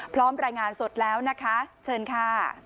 พร้อมรายงานสดแล้วนะคะเชิญค่ะ